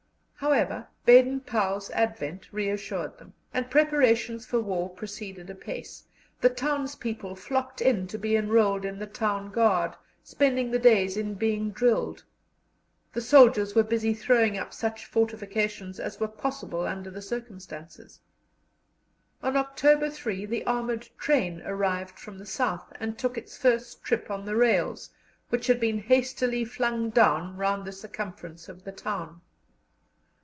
However, Baden Powell's advent reassured them, and preparations for war proceeded apace; the townspeople flocked in to be enrolled in the town guard, spending the days in being drilled; the soldiers were busy throwing up such fortifications as were possible under the circumstances. On October 3 the armoured train arrived from the South, and took its first trip on the rails, which had been hastily flung down round the circumference of the town.